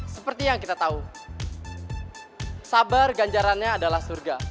seperti yang kita tahu sabar ganjarannya adalah surga